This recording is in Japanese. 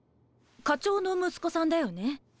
課長の息子さんだよね。